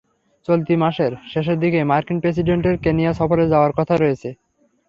চলতি মাসের শেষ দিকে মার্কিন প্রেসিডেন্টের কেনিয়া সফরে যাওয়ার কথা রয়েছে।